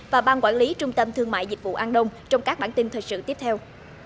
và ban quản lý trung tâm thương mại dịch vụ an đông trong các bản tin thời sự tiếp theo